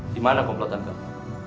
di mana komplotan kamu